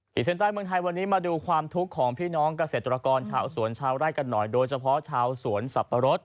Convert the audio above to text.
เส้นใต้เมืองไทยวันนี้มาดูความทุกข์ของพี่น้องเกษตรกรชาวสวนชาวไร่กันหน่อยโดยเฉพาะชาวสวนสับปะรด